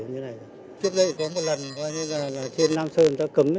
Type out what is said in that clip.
trước đây có một lần trên nam sơn người ta cấm